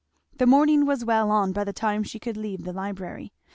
The morning was well on by the time she could leave the library.